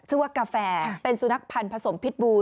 ชื่อว่ากาแฟเป็นสูนักพันธุ์ผสมพิทพู